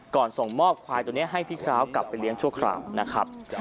ก่อนส่งมอบควายให้พี่คาวกลับไปเลี้ยงชั่วคราวนะครับ